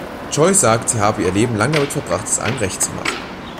Joy sagt, sie habe ihr Leben lang damit verbracht, es allen Recht zu machen.